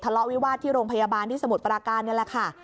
ละวิวาสที่โรงพยาบาลที่สมุทรปราการนี่แหละค่ะ